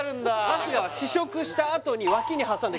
春日は試食したあとに何やってんの